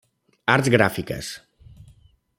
Arts Gràfiques.